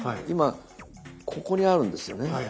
今ここにあるんですよね。